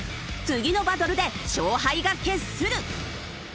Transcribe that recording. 次のバトルで勝敗が決する！